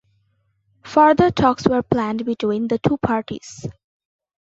Further talks were planned between the two parties.